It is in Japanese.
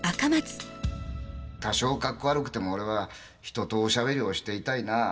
多少かっこ悪くても俺は人とおしゃべりをしていたいな。